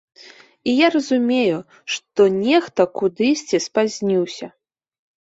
І я разумею, што нехта кудысьці спазніўся.